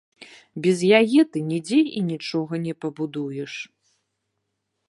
Без яе ты нідзе і нічога не пабудуеш.